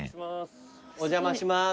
お邪魔します。